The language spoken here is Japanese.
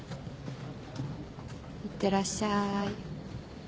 いってらっしゃい。